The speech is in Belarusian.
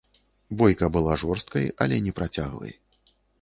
Бойка была жорсткай, але не працяглай.